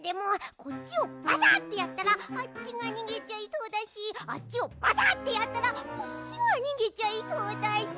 こっちをバサッてやったらあっちがにげちゃいそうだしあっちをバサッてやったらこっちがにげちゃいそうだし。